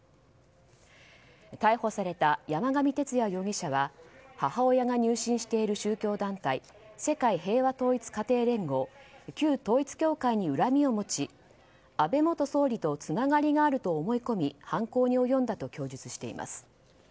逮捕された山上徹也容疑者は母親が入信している宗教団体世界平和統一家庭連合旧統一教会に恨みを持ち安倍元総理とつながりがあると思い込み犯行に及んだと供述しています。